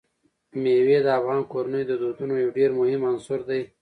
مېوې د افغان کورنیو د دودونو یو ډېر مهم عنصر دی.